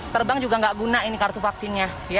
terbang juga nggak guna ini kartu vaksinnya